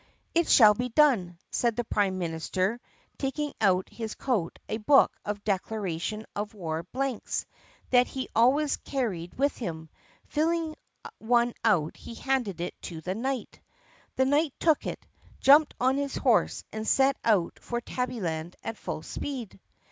"It shall be done," said the prime minister taking out of his coat a book of declaration of war blanks that he always carried with him. Filling one out he handed it to the knight. The knight took it, jumped on his horse, and set out for Tabbyland at full speed.